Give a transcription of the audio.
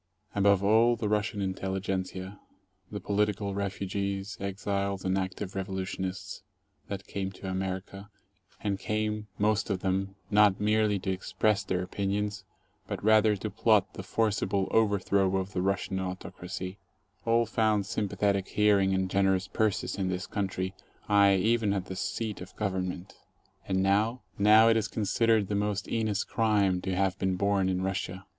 Above all, the Russian intelligentzia, the political refugees, exiles, and active revolutionists that came to America, and came — most of them — not merely to express their opinions but rather to plot the forcible overthrow of the Russian autocracy, all found sympa thetic hearing and generous purses in this country, aye, even at the seat of Government. And now? Now it is considered the most heinous crime to have been born in Russia.